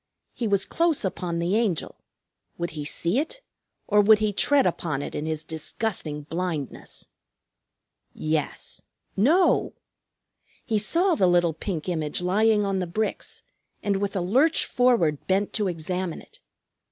He was close upon the Angel. Would he see it, or would he tread upon it in his disgusting blindness? Yes no! He saw the little pink image lying on the bricks, and with a lurch forward bent to examine it.